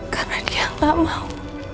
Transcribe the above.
karena dia gak mau